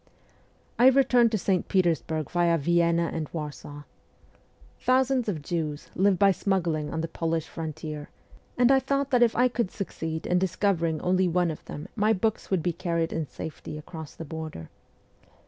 I returned to St. Petersburg vid Vienna and Warsaw. Thousands of Jews live by smuggling on the Polish frontier, and I thought that if I could succeed in discovering only one of them my books would be carried in safety across the border.